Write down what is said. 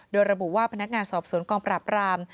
โดยระบุว่าพนักงานสอบสวนกองปราบราม